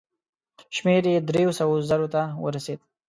شمېر یې دریو سوو زرو ته ورسېد.